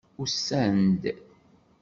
Usan-d.